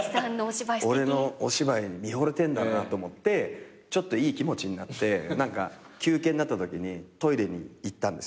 俺のお芝居に見ほれてんだなと思ってちょっといい気持ちになって休憩になったときにトイレに行ったんですよ。